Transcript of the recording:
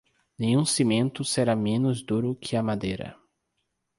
Nenhum cimento será menos duro que a madeira.